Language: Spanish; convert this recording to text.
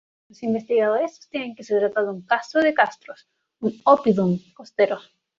Los investigadores sostienen que se trata de un castro de castros, un "oppidum" costero.